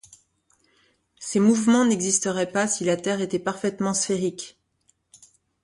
Ces mouvements n’existeraient pas si la Terre était parfaitement sphérique.